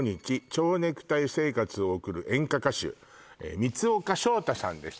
蝶ネクタイ生活を送る演歌歌手三丘翔太さんです